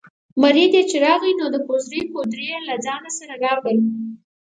مرید چې راغی نو د کوزړۍ کودوړي یې له ځانه سره راوړل.